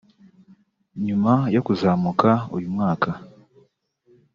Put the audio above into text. nyuma yo kuzamuka uyu mwaka